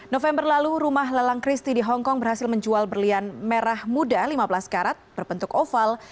november lalu rumah lelang christie di hongkong berhasil menjual berlian merah muda lima belas karat berbentuk oval